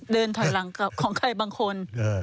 เดินถอยหลังของใครบางคน